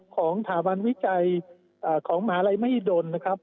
ของสถาบันวิจัยของมหาลัยมหิดลนะครับ